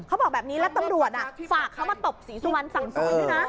เขาบอกแบบนี้แล้วตำรวจฝากเขามาตบศรีสุวรรณสั่งสวยด้วยนะ